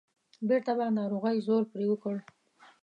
بیرته به ناروغۍ زور پرې وکړ.